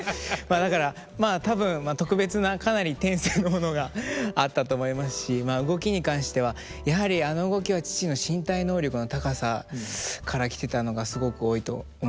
まあだからまあ多分特別なかなり天性のものがあったと思いますし動きに関してはやはりあの動きは父の身体能力の高さからきてたのがすごく多いと思います。